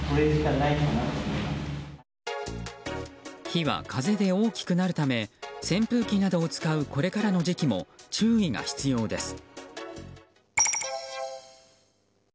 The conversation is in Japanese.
火は風で大きくなるため扇風機などを使うこれからの時期も注意が必要です。